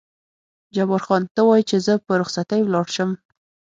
جبار خان: ته وایې چې زه په رخصتۍ ولاړ شم؟